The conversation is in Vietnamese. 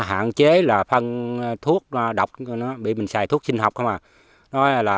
phân chế là phân thuốc độc bị mình xài thuốc sinh học thôi mà